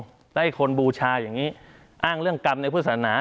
แล้วไอ้คนบูชาอย่างนี้อ้างเรื่องกรรมในพฤศนา